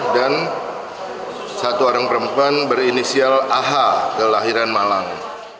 dan satu orang perempuan berinisial ah kelahiran malang